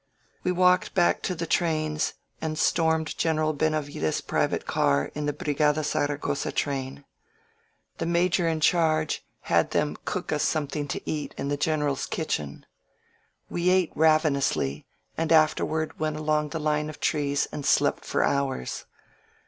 ••• We walked back to the trains and stormed General Benavides' private car in the Brigada Zaragosa train. The major in charge had them cook us something to 8S1 INSURGENT MEXICO eat in the General's kitchen. We ate ravenously, and afterward went over along the line of trees and slept for hours.